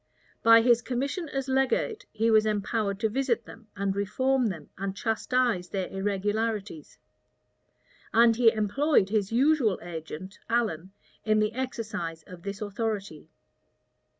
By his commission as legate he was empowered to visit them, and reform them, and chastise their irregularities; and he employed his usual agent, Allen, in the exercise of this authority.